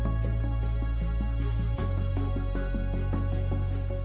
pino juga berusaha mengelola perusahaan milik rekannya